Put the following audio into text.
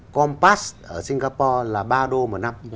compass ở singapore là ba đô một năm